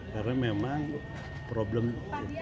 karena memang problem itu